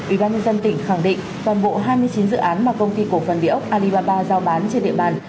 ủy ban nhân dân tỉnh khẳng định toàn bộ hai mươi chín dự án mà công ty cổ phần địa ốc alibaba giao bán trên địa bàn